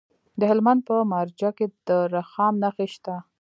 د هلمند په مارجه کې د رخام نښې شته.